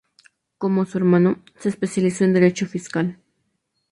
Como su hermano, se especializó en derecho fiscal.